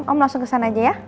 om langsung kesana aja ya